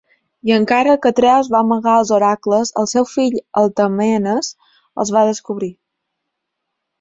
I encara que Catreus va amagar els oracles, el seu fill Althaemenes els va descobrir.